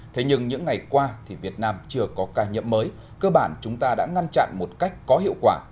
thế nhưng những ngày qua thì việt nam chưa có ca nhiễm mới cơ bản chúng ta đã ngăn chặn một cách có hiệu quả